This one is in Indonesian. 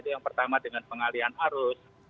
yang pertama dengan pengalian arus